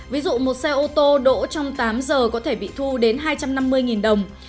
ví dụ một xe ô tô đỗ trong tám giờ có thể bị thu đến hai trăm năm mươi đồng